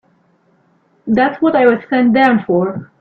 That's what I was sent down for.